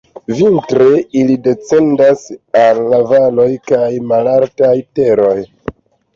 Vintre ili descendas al valoj kaj malaltaj teroj.